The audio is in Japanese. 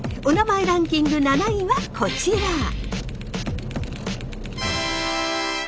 「おなまえランキング」７位はこちら！